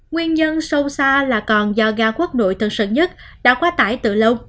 nguyên nhân sâu xa là còn do ga quốc nội tân sơn nhất đã quá tải từ lâu